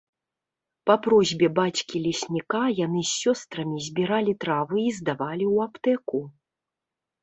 Па просьбе бацькі-лесніка яны з сёстрамі збіралі травы і здавалі ў аптэку.